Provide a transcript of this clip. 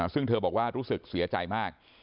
ซึ่งเธอบอกว่ารู้สึกเสียใจมาก